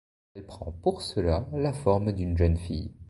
Elle prend pour cela la forme d'une jeune fille.